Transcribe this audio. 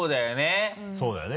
そうだよね。